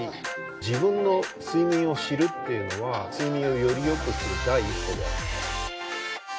自分の睡眠を知るっていうのは睡眠をよりよくする第一歩である。